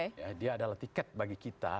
ya dia adalah tiket bagi kita